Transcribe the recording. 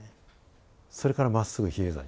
それからまっすぐ比叡山に。